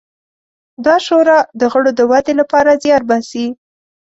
دا شورا د غړو د ودې لپاره زیار باسي.